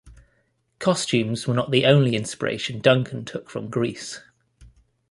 Costumes were not the only inspiration Duncan took from Greece.